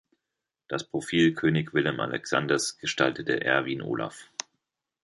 Das Profil König Willem-Alexanders gestaltete Erwin Olaf.